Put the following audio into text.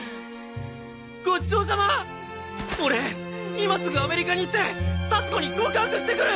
今すぐアメリカに行って樹子に告白してくる！